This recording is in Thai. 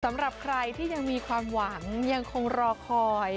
สำหรับใครที่ยังมีความหวังยังคงรอคอย